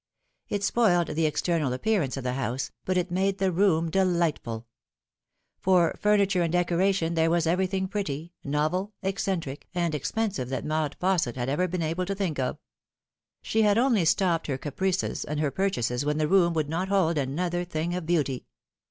It spoiled the external appearance of the house, but it made the room delightful. For furniture and decoration there was everything pretty, novel, eccentric, and expensive that Maud Fausset had ever been able to think of. She had only stopped her caprices and her purchases when the room would not hold another thing of beauty.